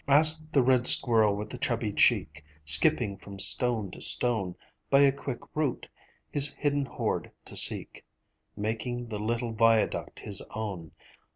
Ask the red squirrel with the chubby cheek Skipping from stone to stone By a quick route, his hidden hoard to seek, Making the little viaduct his own.